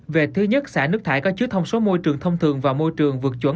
về thứ nhất xả nước thải có chứa thông số môi trường thông thường và môi trường vượt chuẩn